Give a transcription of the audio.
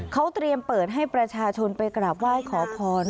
เขาเตรียมเปิดให้ประชาชนไปกราบไหว้ขอพร